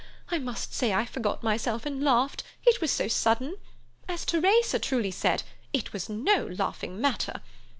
I must say I forgot myself and laughed; it was so sudden. As Teresa truly said, it was no laughing matter.